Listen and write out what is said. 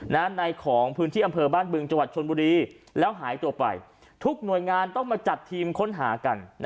ในของพื้นที่อำเภอบ้านบึงจังหวัดชนบุรีแล้วหายตัวไปทุกหน่วยงานต้องมาจัดทีมค้นหากัน